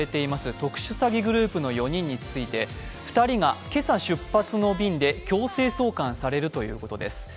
特殊詐欺グループの４人について２人が今朝出発の便で強制送還されるということです。